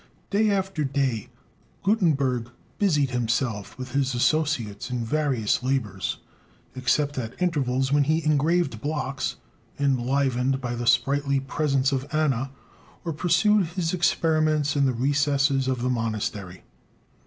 Day after day Gutenberg busied himself with his associates in various labors, except at intervals, when he engraved blocks, enlivened by the sprightly presence of Anna, or pursued his experiments in the recesses of the monastery.